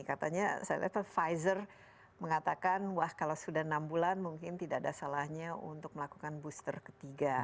katanya saya lihat pfizer mengatakan wah kalau sudah enam bulan mungkin tidak ada salahnya untuk melakukan booster ketiga